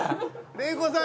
玲子さん！